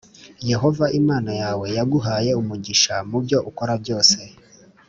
Yehova Imana yawe yaguhaye umugisha mu byo ukora byose.